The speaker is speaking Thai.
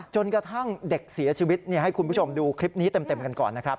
จนกระทั่งเด็กเสียชีวิตให้คุณผู้ชมดูคลิปนี้เต็มกันก่อนนะครับ